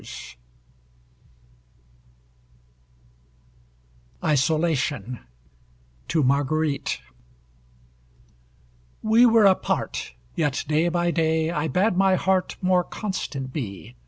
ISOLATION TO MARGUERITE We were apart; yet, day by day, I bade my heart more constant be.